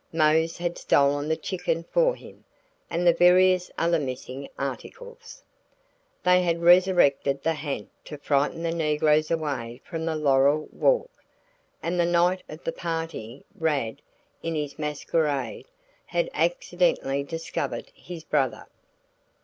Mose had stolen the chicken for him, and the various other missing articles. They had resurrected the ha'nt to frighten the negroes away from the laurel walk, and the night of the party Rad, in his masquerade, had accidentally discovered his brother.